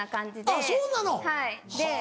あっそうなのはぁ。